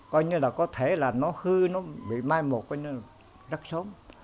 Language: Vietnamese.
coi như là có thể là nó hư nó bị mai một coi như là rất sớm